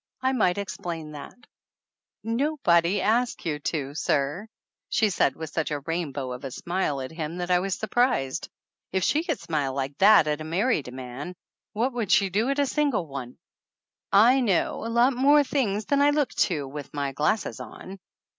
I might explain that " "Nobody asked you to, sir," she said, with such a rainbow of a smile at him that I was surprised. If she could smile like that at a mar ried man what would she do at a single one? "I know a lot more things than I look to with my glasses on